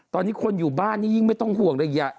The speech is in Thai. ตอนนี้คนอยู่บ้านนี่ยิ่งไม่ต้องห่วงเลย